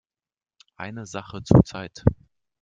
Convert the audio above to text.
Eine Sache zur Zeit.